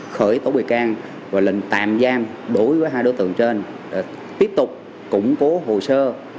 khởi tố bị can và lệnh tạm giam đối với hai đối tượng trên tiếp tục củng cố hồ sơ